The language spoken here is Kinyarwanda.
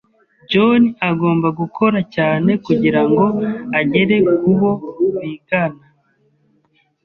John agomba gukora cyane kugira ngo agere ku bo bigana.